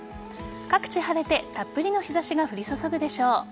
各地晴れて、たっぷりの日差しが降り注ぐでしょう。